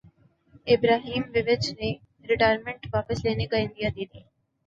Ibrahimovic نے retirement واپس لینے کا عندیہ دیدیا